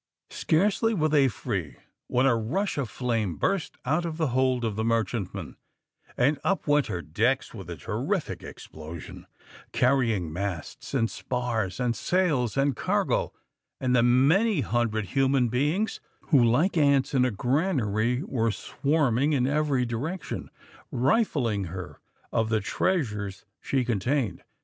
Scarcely were they free, when a rush of flame burst out of the hold of the merchantman, and up went her decks with a terrific explosion, carrying masts, and spars, and sails, and cargo, and the many hundred human beings, who, like ants in a granary, were swarming in every direction, rifling her of the treasures she contained.